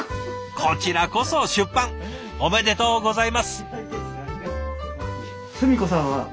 こちらこそ出版おめでとうございます。